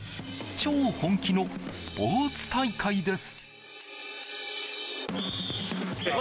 超本気のスポーツ大会です。